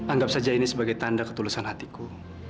anggap saja ini sebagai tanda ketulusan hatiku